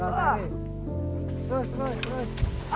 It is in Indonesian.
terus terus terus